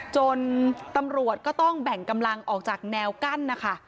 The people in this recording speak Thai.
จนตำรวจก็ต้องแบ่งกำลังออกจากแนวกั้นนะคะ